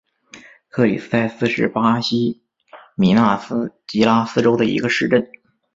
克里斯泰斯是巴西米纳斯吉拉斯州的一个市镇。